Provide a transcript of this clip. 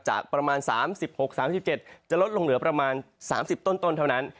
ประมาณ๓๖๓๗จะลดลงเหลือประมาณ๓๐ต้นเท่านั้น